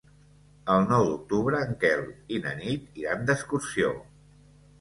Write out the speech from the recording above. El nou d'octubre en Quel i na Nit iran d'excursió.